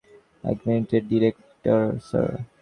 এক মিনিটের director sir.